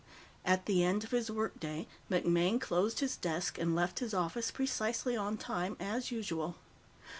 At the end of his work day, MacMaine closed his desk and left his office precisely on time, as usual.